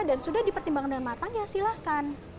dan sudah dipertimbangkan dengan mata ya silahkan